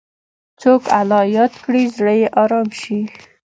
څوک الله یاد کړي، زړه یې ارام شي.